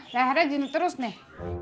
lehernya jenuh terus nih